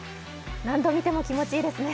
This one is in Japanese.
何度見ても気持ちいいですね。